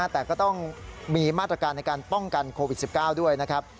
แต่ก็ต้องมีมาตรการในการป้องกันโควิด๑๙ด้วยนะครับ